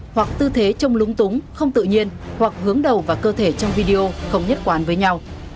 hoặc tư thế trông lúng túng không tự nhiên hoặc hướng đầu vào cơ thể trong video không nhất quán với nhau